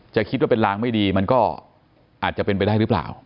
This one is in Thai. จะคิดว่าเป็นลางไม่ดีมันก็อาจจะเป็นไปได้หรือเปล่า